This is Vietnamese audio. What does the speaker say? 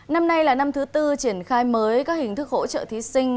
năm nay là năm thứ tư triển khai mới các hình thức hỗ trợ thí sinh